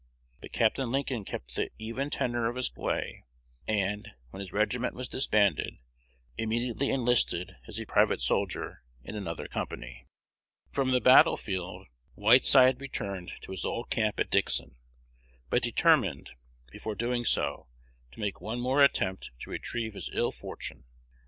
But Capt. Lincoln kept the "even tenor of his way;" and, when his regiment was disbanded, immediately enlisted as a private soldier in another company. From the battle field Whiteside returned to his old camp at Dixon, but determined, before doing so, to make one more attempt to retrieve his ill fortune.